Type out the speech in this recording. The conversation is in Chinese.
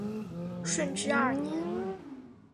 顺治二年。